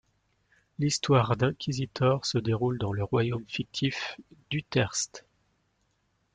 L'histoire d'Inquisitor se déroule dans le royaume fictif d'Utherst.